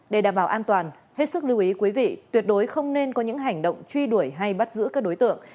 để đảm bảo an toàn hết sức lưu ý quý vị tuyệt đối không nên có những hành động truy đuổi hay bắt giữ các đối tượng